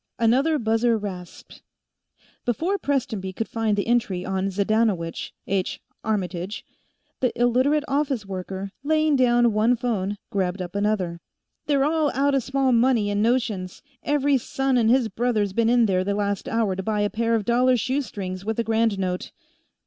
Another buzzer rasped, before Prestonby could find the entry on Zydanowycz, H. Armytage; the Illiterate office worker, laying down one phone, grabbed up another. "They're all outta small money in Notions; every son and his brother's been in there in the last hour to buy a pair of dollar shoestrings with a grand note."